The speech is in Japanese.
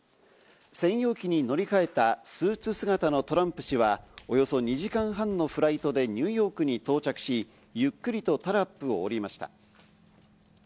専用機に乗り換えたスーツ姿のトランプ氏はおよそ２時間半のフライトでニューヨークに到着し、ゆっくりとタラップを降りました。